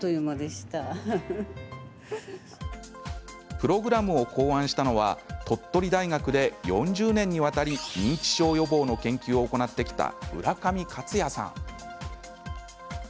プログラムを考案したのは鳥取大学で４０年にわたり認知症予防の研究を行ってきた浦上克哉さん。